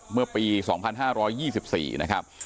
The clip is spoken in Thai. เมื่อปี๒๕๒๔นะครับ